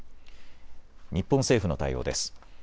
日本政府の対応です。